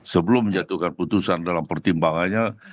sebelum menjatuhkan putusan dalam pertimbangannya